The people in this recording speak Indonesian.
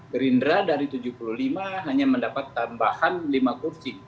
gerindra dari tujuh puluh lima hanya mendapat tambahan lima kursi